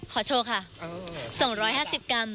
ขอโชว์ค่ะ๒๕๐กรัม